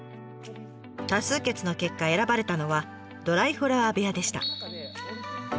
多数決の結果選ばれたのはドライフラワー部屋でした。